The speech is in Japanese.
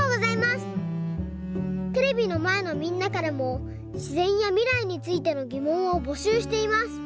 テレビのまえのみんなからもしぜんやみらいについてのぎもんをぼしゅうしています。